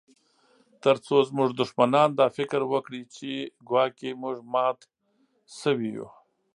ترڅو زموږ دښمنان دا فکر وکړي چې ګواکي موږ مات شوي یو